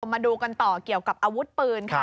มาดูกันต่อเกี่ยวกับอาวุธปืนค่ะ